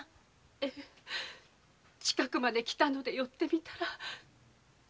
ええ近くまで来たので寄ってみたらこんなことに。